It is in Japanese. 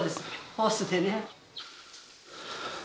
ホースでね。